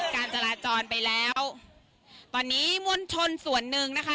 การจราจรไปแล้วตอนนี้มวลชนส่วนหนึ่งนะคะ